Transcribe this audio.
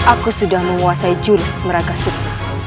aku sudah menguasai jurus meragasutra